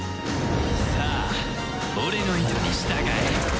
さあ俺の糸に従え！